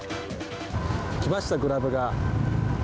来ました、グラブが。